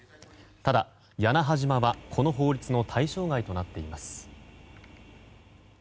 ただ屋那覇島は、この法律の対象外となっています。